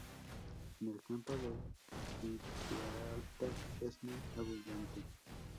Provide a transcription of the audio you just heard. En el Campo de Gibraltar es muy abundante.